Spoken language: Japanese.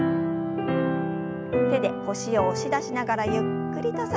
手で腰を押し出しながらゆっくりと反らせます。